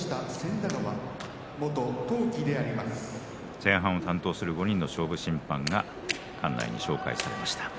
前半を担当する勝負審判が紹介されました。